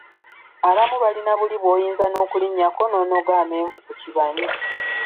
Abamu balina buli bw'oyinza n'okulinyako n'onoga amenvu ku kibanyi.